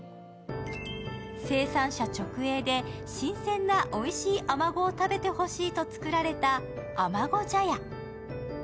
生産者直営で新鮮なおいしいあまごを食べてほしいと作られたあまご茶屋。